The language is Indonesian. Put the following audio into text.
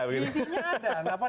gizinya tetap ada